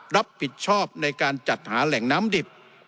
รับผิดชอบในการจัดหาแหล่งน้ำดิบ